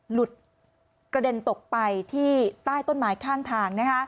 หลุดกระเด็นตกไปที่ใต้ต้นไม้ข้างทาง